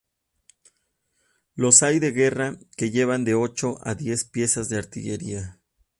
Los hay de guerra que llevan de ocho a diez piezas de artillería.